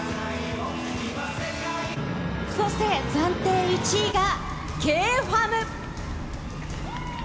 そして暫定１位がＫｆａｍ。